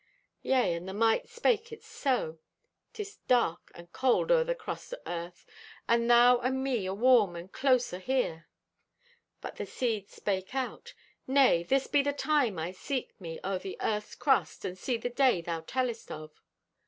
"Yea, and the Mite spake it so: "''Tis dark and cold o'er the crust o' Earth, and thou and me awarm and close ahere.' "But the Seed spake out: 'Nay, this be the time I seek me o'er the Earth's crust and see the Day thou tellest of.